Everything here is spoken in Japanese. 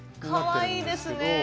かわいいですね！